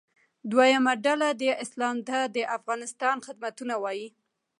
دویمه ډله دې اسلام ته د افغانستان خدمتونه ووایي.